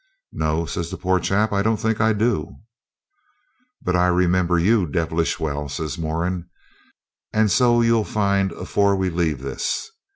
'No,' says the poor chap, 'I don't think I do.' 'But I remember you devilish well,' says Moran; 'and so you'll find afore we leave this.'